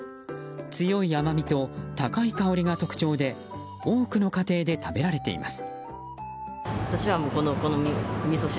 強い甘みと高い香りが特徴で多くの家庭で食べられています。